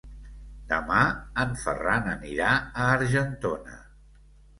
Demà en Ferran anirà a Argentona.